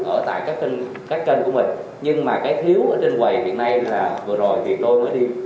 ở tại các kênh của mình nhưng mà cái thiếu ở trên quầy hiện nay là vừa rồi thì tôi mới đi